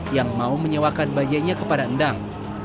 yang mau menyewakan bajainya kepada endang